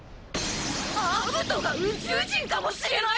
アブトが宇宙人かもしれない。